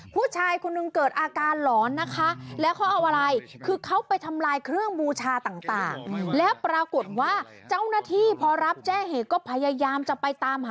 ผู้ชายคนนึงเกิดอาการหลอนนะคะแล้วเขาเอาอะไร